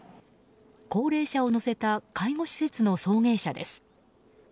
高齢者を乗せた介護施設の送迎車です。